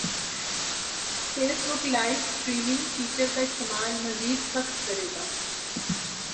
face بک live streaming feature کا استعمال مزید سخت کریگا